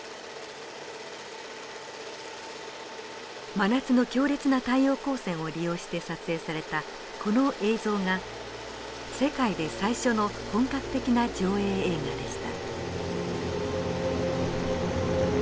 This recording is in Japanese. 真夏の強烈な太陽光線を利用して撮影されたこの映像が世界で最初の本格的な上映映画でした。